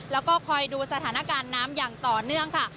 แล้วก็คอยดูสถานการณ์น้ำอย่างต่อเนื่องค่ะ